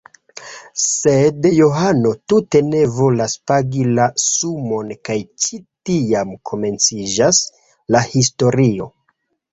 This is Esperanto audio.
Sed Johano tute ne volas pagi la sumon kaj ĉi tiam komenciĝas la historio.